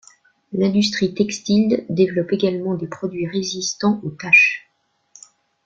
L'industrie textile développe également des produits résistants aux taches.